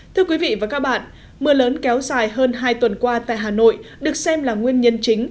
thưa quý vị và các bạn mưa lớn kéo dài hơn hai tuần qua tại hà nội được xem là nguyên nhân chính